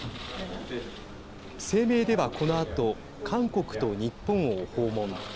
声明ではこのあと韓国と日本を訪問。